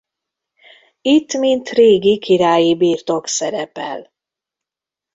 Itt mint régi királyi birtok szerepel.